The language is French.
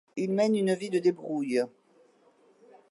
Ils mènent une vie de débrouille.